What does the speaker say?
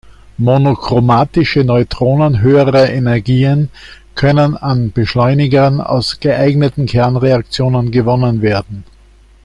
Monochromatische Neutronen höherer Energien können an Beschleunigern aus geeigneten Kernreaktionen gewonnen werden.